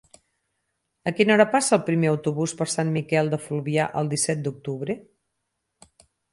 A quina hora passa el primer autobús per Sant Miquel de Fluvià el disset d'octubre?